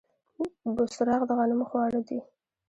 بوسراغ د غنمو خواړه دي.